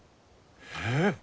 えっ！